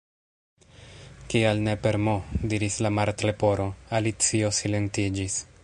"Kial ne per M?" diris la Martleporo. Alicio silentiĝis.